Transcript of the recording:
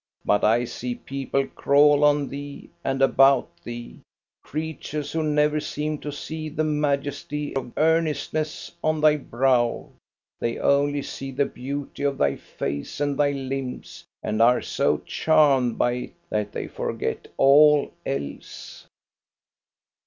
But I see people crawl on thee and about thee, creatures who never seem to see the majesty of earnestness on thy brow. They only see the beauty of thy face and thy limbs, and are so charmed by it that they forget all else.